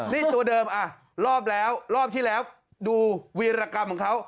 นี่ตัวเดิมรอบที่แล้วดูเวียรกรรมของเขา